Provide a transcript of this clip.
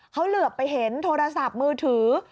เขาเหลือไปเห็นโทรศัพท์มือถือ